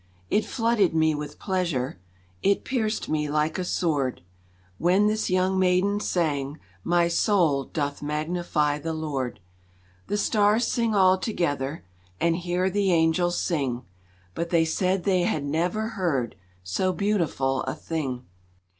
It flooded me with pleasure, It pierced me like a sword, When this young maiden sang: "My soul Doth magnify the Lord." The stars sing all together And hear the angels sing, But they said they had never heard So beautiful a thing.